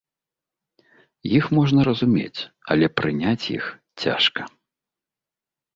Іх можна разумець, але прыняць іх цяжка.